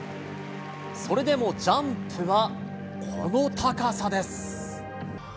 それでもジャンプはこの高さです。